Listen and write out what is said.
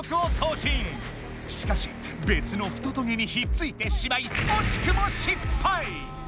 しかしべつのふとトゲにひっついてしまいおしくも失敗。